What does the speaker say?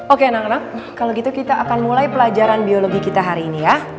oke nangna kalau gitu kita akan mulai pelajaran biologi kita hari ini ya